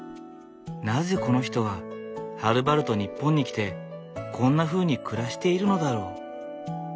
なぜこの人ははるばると日本に来てこんなふうに暮らしているのだろう？